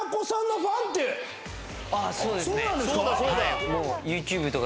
そうですね。